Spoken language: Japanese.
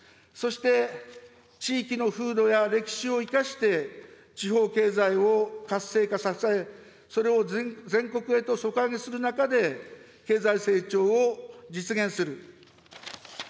そして地域の風土や歴史を生かして、地方経済を活性化させ、それを全国へと底上げする中で、経済成長を実現する。